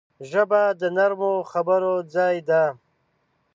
ژبه د نرمو خبرو ځای ده